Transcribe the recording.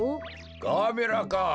ガーベラか。